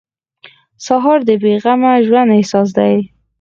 سهار د بې غمه ژوند احساس دی.